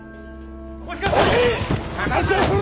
お待ちくだされ！